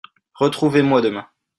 Retrouvez-moi demain.